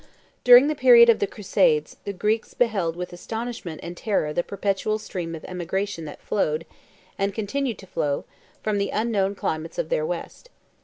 During the period of the crusades, the Greeks beheld with astonishment and terror the perpetual stream of emigration that flowed, and continued to flow, from the unknown climates of their West.